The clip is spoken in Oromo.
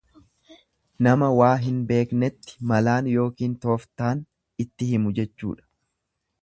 Nama waa hin beeknetti malaan yookiin tooftaan itti himu jechuudha.